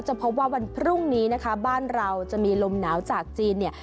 พบว่าวันพรุ่งนี้นะคะบ้านเราจะมีลมหนาวจากจีนเนี่ย